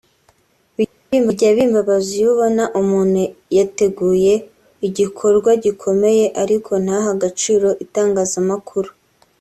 Bijya bimbabaza iyo ubona umuntu yateguye igikorwa gikomeye ariko ntahe agaciro itangazamakuru